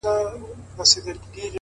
• نو د وجود،